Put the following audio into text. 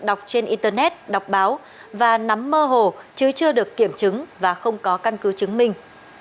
đọc trên internet đọc báo và nắm mơ hồ chứ chưa được kiểm chứng và không có căn cứ chứng minh